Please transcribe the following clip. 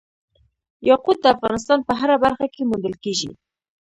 یاقوت د افغانستان په هره برخه کې موندل کېږي.